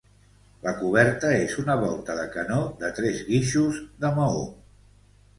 La coberta és una volta de canó de tres guixos de maó.